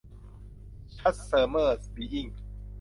ซัคเซสมอร์ บีอิ้งค์